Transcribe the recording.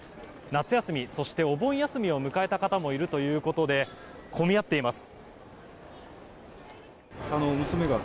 夏休み、そしてお盆休みを迎えた方もいるということで混み合っています。